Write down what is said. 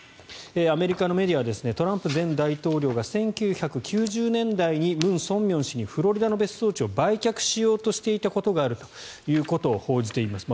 アメリカのメディアはトランプ前大統領が１９９０年代にムン・ソンミョン氏にフロリダの別荘地を売却しようとしていたことがあると報じています。